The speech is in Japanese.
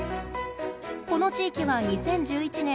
この地域は２０１１年